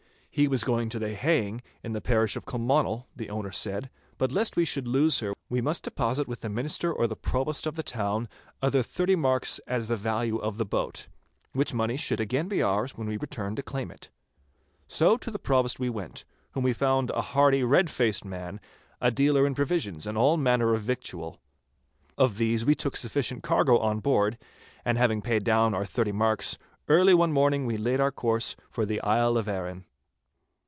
He was going to the haying in the parish of Colmonel, the owner said, but lest we should lose her, we must deposit with the minister or the provost of the town other thirty merks as the value of the boat, which money should again be ours when we returned to claim it. So to the provost we went, whom we found a hearty, red faced man, a dealer in provisions and all manner of victual. Of these we took a sufficient cargo on board, and having paid down our thirty merks, early one morning we laid our course for the Isle of Arran.